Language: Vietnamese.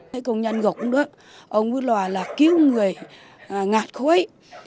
thấy công nhân gọc cũng được ông bứt loà là cứu người ngạt khối